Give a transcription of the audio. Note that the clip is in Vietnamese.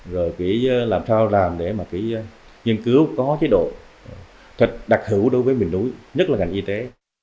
rồi phải làm sao làm để mà phải nghiên cứu có chế độ thật đặc hữu đối với miền núi nhất là ngành y tế